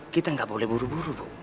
kita nggak boleh buru buru bu